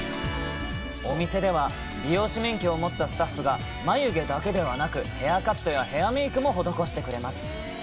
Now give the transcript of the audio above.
お店では美容師免許を持ったスタッフが、眉毛だけではなく、ヘアカットやヘアメークも施してくれます。